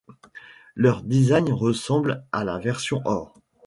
Leur design ressemble à la version or.